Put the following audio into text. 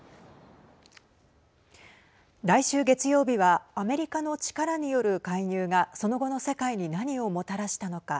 来週月曜日はアメリカの力による介入がその後の世界に何をもたらしたのか。